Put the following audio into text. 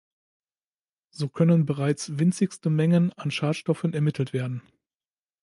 So können bereits winzigste Mengen an Schadstoffen ermittelt werden.